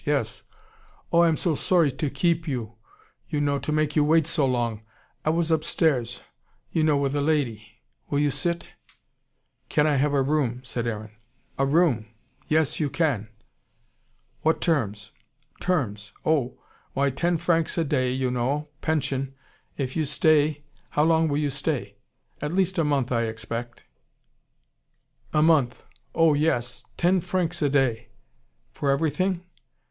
Yes! Oh, I am so sorry to keep you, you know, to make you wait so long. I was upstairs, you know, with a lady. Will you sit?" "Can I have a room?" said Aaron. "A room! Yes, you can." "What terms?" "Terms! Oh! Why, ten francs a day, you know, pension if you stay How long will you stay?" "At least a month, I expect." "A month! Oh yes. Yes, ten francs a day." "For everything?"